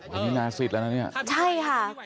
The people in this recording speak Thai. อันนี้นาศิษย์แล้วนะเนี่ยใช่ค่ะ